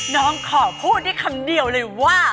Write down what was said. น้องขอพูดได้คำเดียวเลยว่า